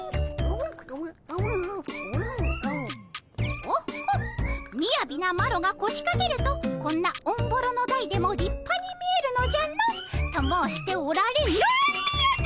「オッホッみやびなマロがこしかけるとこんなオンボロの台でも立派に見えるのじゃの」と申しておられノーみやびっ！